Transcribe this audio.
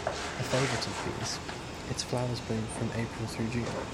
A favorite of bees, its flowers bloom from April through June.